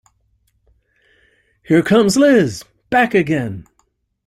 Here comes Liz, back again!